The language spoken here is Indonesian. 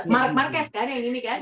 mark marquez kan yang ini kan